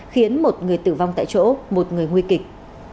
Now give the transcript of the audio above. khiến một người tử vong tại chỗ một người nguy kịch